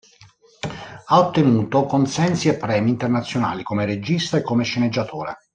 Ha ottenuto consensi e premi internazionali come regista e come sceneggiatore.